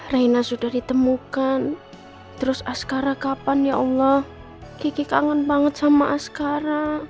raina sudah ditemukan terus askara kapan ya allah kiki kangen banget sama askara